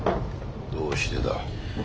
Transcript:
どうしてだ？